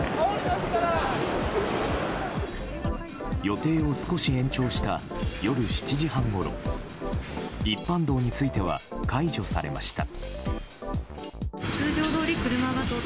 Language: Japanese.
予定を少し延長した夜７時半ごろ一般道については解除されました。